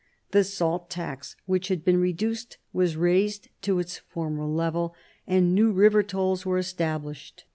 The salt tax, which had been reduced, was raised to its former level, and new river tolls were established.